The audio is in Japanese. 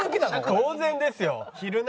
当然ですよ。